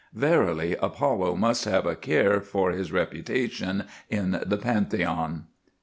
Verily Apollo must have a care for his reputation in the Pantheon.